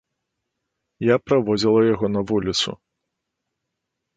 Я праводзіла яго на вуліцу.